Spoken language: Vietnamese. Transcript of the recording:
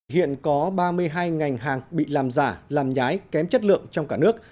hiện có ba mươi hai ngành hàng bị làm giả làm nhái kém chất lượng trong cả nước